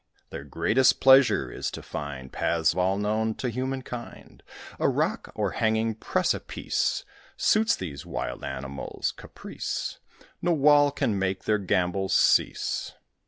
Their greatest pleasure is to find Paths all unknown to human kind: A rock, or hanging precipice, Suits these wild animals' caprice: No wall can make their gambols cease.